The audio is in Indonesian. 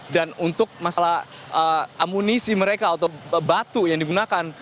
untuk masalah amunisi mereka atau batu yang digunakan